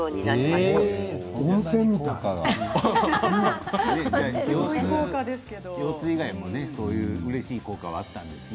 腰痛以外にも、そういううれしい効果があったんですね。